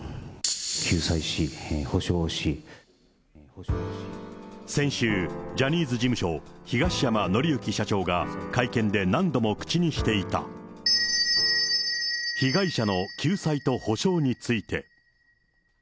救済し、先週、ジャニーズ事務所、東山紀之社長が、会見で何度も口にしていた、被害者の救済と補償について。